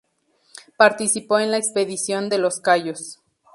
Participó en la Expedición de Los Cayos.